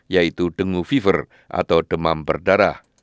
yaitu dengu fiver atau demam berdarah